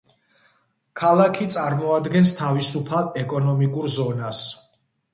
ქალაქი წარმოადგენს თავისუფალ ეკონომიკურ ზონას.